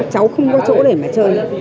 cháu không có chỗ để mà chơi